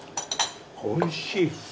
おいしい！